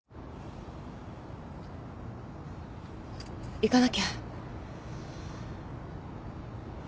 行かなきゃ。